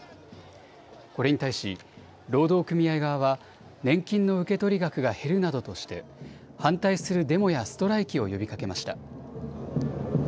これに対し労働組合側は年金の受け取り額が減るなどとして反対するデモやストライキを呼びかけました。